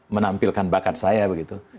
menampilkan bakat saya begitu